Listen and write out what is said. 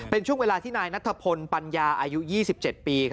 เป็นช่วงเวลานาคตนายนัทพนิธรรมปัญญาอายุ๒๗ปี